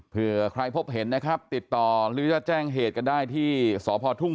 เพื่อใครพบเห็นนะครับติดต่อหรือจะแจ้งเหตุกันได้ที่สพทุ่ง